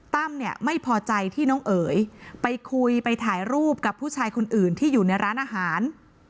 ตั้มเนี่ยไม่พอใจที่น้องเอ๋ยไปคุยไปถ่ายรูปกับผู้ชายคนอื่นที่อยู่ในร้านอาหาร